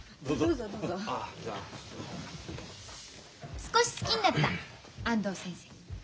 少し好きになった安藤先生。